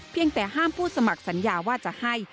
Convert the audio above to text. เพียงแต่ห้ามผู้สมัครสัญญาว่าจะให้